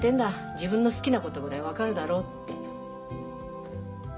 自分の好きなことぐらい分かるだろって。